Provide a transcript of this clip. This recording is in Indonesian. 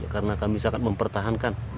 karena kami sangat mempertahankan